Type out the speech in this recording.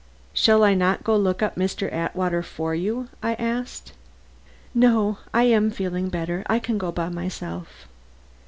"Shall I not look up Mr. Atwater for you?" I asked. "No. I am feeling better. I can go myself."